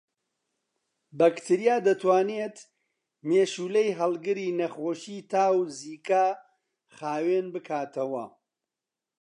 بەکتریا دەتوانێت مێشولەی هەڵگری نەخۆشیی تا و زیکا خاوێن بکاتەوە